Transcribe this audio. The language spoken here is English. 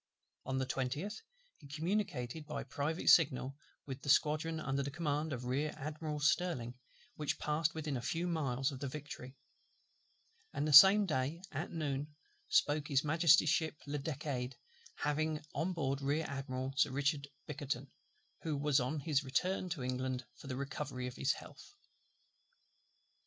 On the 20th he communicated by private signal with the squadron under the command of Rear Admiral STIRLING, which passed within a few miles of the Victory; and the same day at noon, spoke his Majesty's ship Le Decade, having on board Rear Admiral Sir RICHARD BICKERTON, who, was on his return to England for the recovery of his health.